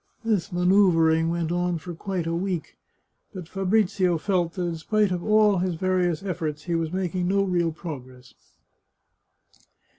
This manoeuvring went on for quite a week, but Fabrizio felt that in spite of all his various efforts, he was making no real prc^gress.